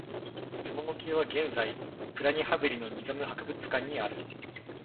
その模型は現在、プラニハベリのニザム博物館にある。